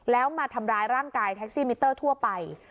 แล้วมาทำร้ายร่างกายแท็กซี่มิเตอร์ทั่วไป